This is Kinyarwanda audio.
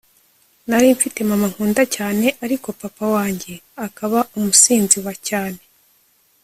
nari mfite mama nkunda cyane ariko papa wanjye akaba umusinzi wacyane